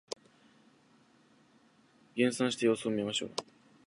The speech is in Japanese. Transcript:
減産して様子を見ましょう